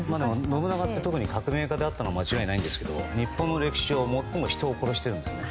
信長って革命家であったのは間違いないんですけど日本の歴史上で最も人を殺しているんです。